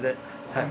はい。